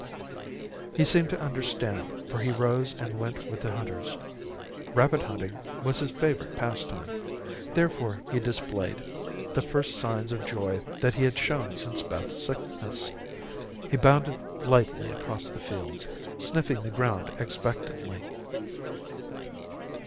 He seemed to understand, for he rose and went with the hunters. Rabbit hunting was his favorite pastime. Therefore he displayed the first signs of joy that he had shown since Beth's sickness. He bounded lightly across the fields, sniffing the ground expectantly.